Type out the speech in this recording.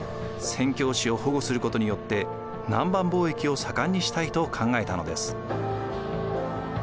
宣教師を保護することによって南蛮貿易を盛んにしたいと考えたのです。